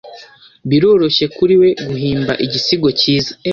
Biroroshye kuri we guhimba igisigo cyiza.